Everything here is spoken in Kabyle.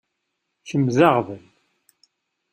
Kemm d aɣbel.